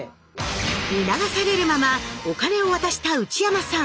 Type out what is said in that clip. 促されるままお金を渡した内山さん。